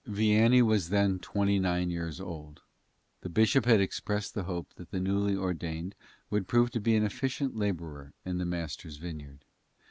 Vianney was then twenty nine years old. The bishop had expressed the hope that the newly ordained would prove to be an efficient laborer in the Master's vineyard.